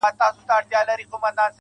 را روان په شپه كــــي ســـېــــــل دى.